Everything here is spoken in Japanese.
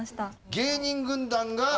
芸人軍団がＣ。